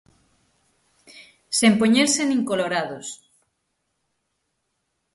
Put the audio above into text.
Sen poñerse nin colorados.